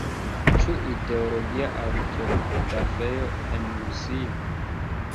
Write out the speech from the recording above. Ĉu ideologia aŭtodafeo en Rusio?